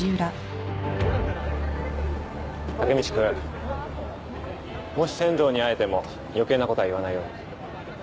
タケミチ君もし千堂に会えても余計なことは言わないように。